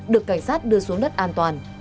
được cảnh sát đưa xuống đất an toàn